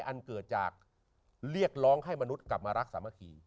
อันเกิดจากเรียกร้องให้มนุษย์กลับมารักสามัคคี